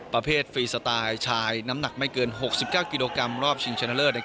ฟรีสไตล์ชายน้ำหนักไม่เกิน๖๙กิโลกรัมรอบชิงชนะเลิศ